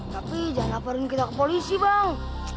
tapi jangan laporin kita ke polisi bang